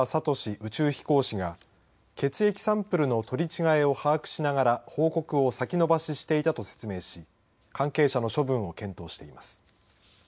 宇宙飛行士が血液サンプルの取り違えを把握しながら報告を先延ばししていたと説明し関係者の処分を検討しています。